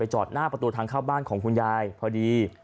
จอดหน้าประตูทางเข้าบ้านของคุณยายพอดี